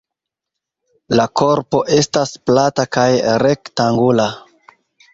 La korpo estas plata kaj rektangula.